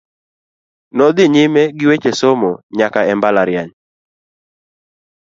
Nodhi nyime gi weche somo nyaka e mbalariany.